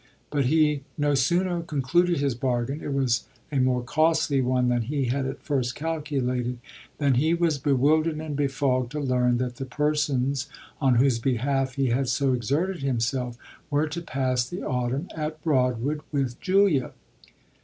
But he had no sooner concluded his bargain it was a more costly one than he had at first calculated than he was bewildered and befogged to learn that the persons on whose behalf he had so exerted himself were to pass the autumn at Broadwood with Julia.